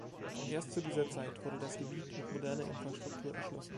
Erst zu dieser Zeit wurde das Gebiet mit moderner Infrastruktur erschlossen.